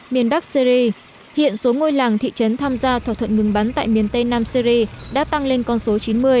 miền bắc syri hiện số ngôi làng thị trấn tham gia thỏa thuận ngừng bắn tại miền tây nam syri đã tăng lên con số chín mươi